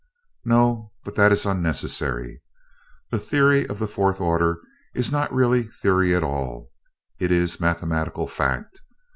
"No, but that is unnecessary. The theory of the fourth order is not really theory at all it is mathematical fact.